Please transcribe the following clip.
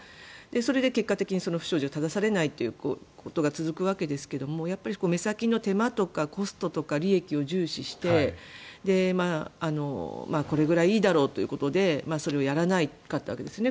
それで結果的にその不祥事が正されないことが続くわけですが目先の手間とかコストとか利益を重視してこれぐらいいいだろうということでそれをやらなかったわけですね。